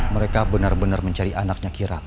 mereka benar benar mencari alina dan sekadang mereka cari